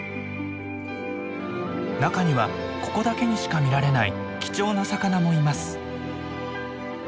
中にはここだけにしか見られない貴重な魚もいます。